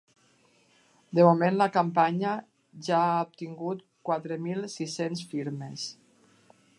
De moment la campanya ja ha obtingut quatre mil sis-cents firmes.